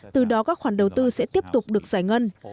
từ đó các khoản đầu tư sẽ tiếp tục được giải ngân